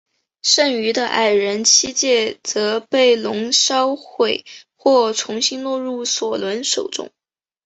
剩余的矮人七戒则被龙烧毁或重新落入索伦手中。